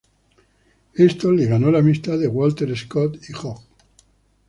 Esto le ganó la amistad de Walter Scott y Hogg.